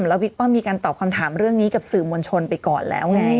แล้วบิ๊กป้อมมีการตอบคำถามเรื่องนี้กับสื่อมวลชนไปก่อนแล้วไง